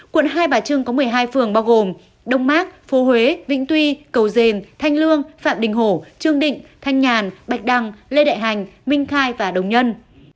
quận hai bà trưng có một mươi hai phường bao gồm đông mát phố huế vĩnh tuy cầu dền thanh lương phạm đình hổ trương định thanh nhàn bạch đăng lê đại hành minh khai và đồng nhân